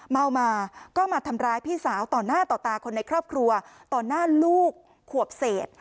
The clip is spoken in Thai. เมามาก็มาทำร้ายพี่สาวต่อหน้าต่อตาคนในครอบครัวต่อหน้าลูกขวบเศษ